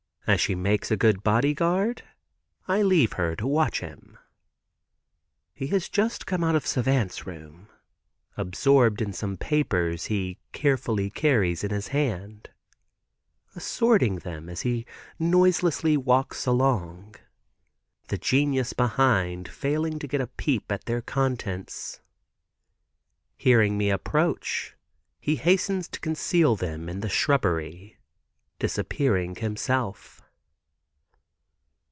As she makes a body guard, I leave her to watch him. He has just come out of Savant's room, absorbed in some papers, he carefully carries in his hand, assorting them as he noiselessly walks along, the genius behind failing to get a peep at their contents. Hearing me approach, he hastens to conceal them in the shrubbery, disappearing himself.